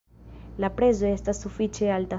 La prezo estas sufiĉe alta.